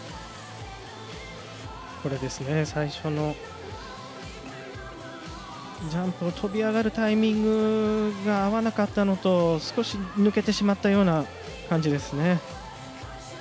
最初のジャンプの跳び上がるタイミングが合わなかったのと少し抜けてしまった感じですね。